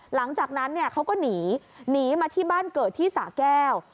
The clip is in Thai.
หลังจากนั้นเขาก็หนีหนีมาที่บ้านเกิดที่สะแก้ว